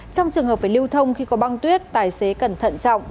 trong trường hợp phải lưu thông khi có băng tuyết tài xế cẩn thận trọng